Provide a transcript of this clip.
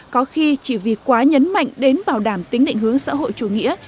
có khi chỉ vì quá nhấn mạnh đến bảo đảm tính định hướng xã hội chủ nghĩa